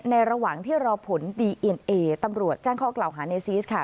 ระหว่างที่รอผลดีเอ็นเอตำรวจแจ้งข้อกล่าวหาในซีสค่ะ